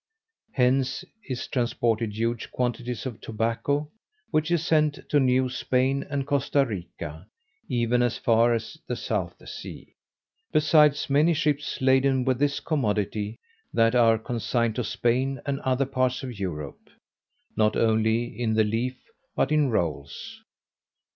Hence is transported huge quantities of tobacco, which is sent to New Spain and Costa Rica, even as far as the South Sea, besides many ships laden with this commodity, that are consigned to Spain and other parts of Europe, not only in the leaf, but in rolls.